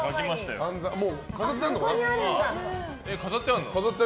飾ってあるのかな。